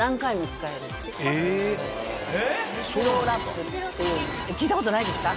聞いたことないですか？